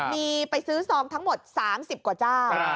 มีไปซื้อซองทั้งหมด๓๐กว่าเจ้า